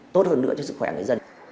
tốt hơn nữa cho sức khỏe người dân